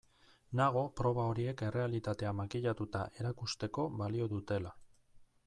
Nago proba horiek errealitatea makillatuta erakusteko balio dutela.